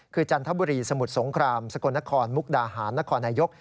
คือจันทบุรีสมุทรสงครามสกลนครมุกดาหารนครนายก